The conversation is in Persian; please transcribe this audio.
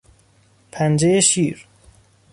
پنجهی شیر